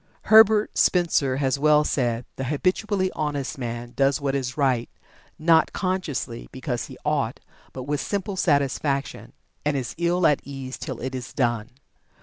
Herbert Spencer has well said: "The habitually honest man does what is right, not consciously because he 'ought' but with simple satisfaction; and is ill at ease till it is done."